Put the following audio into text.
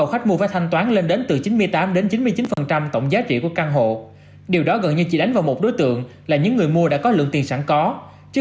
khảo sát chỉ ra mặc dù nguồn cung mới sẽ hạn chế